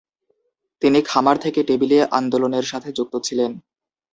তিনি 'খামার থেকে টেবিলে' আন্দোলনের সাথে যুক্ত ছিলেন।